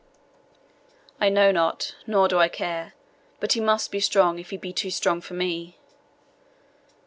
'I know not, nor do I care: but he must be strong if he be too strong for me.